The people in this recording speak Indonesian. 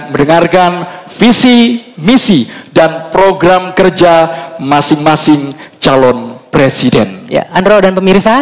mendengarkan visi misi dan program kerja masing masing calon presiden ya andro dan pemirsa